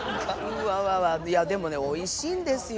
でもねおいしいんですよ。